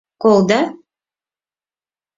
— Колда?